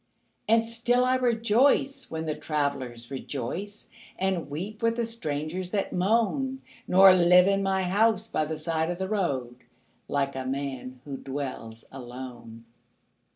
And still I rejoice when the travelers rejoice And weep with the strangers that moan, Nor live in my house by the side of the road Like a man who dwells alone.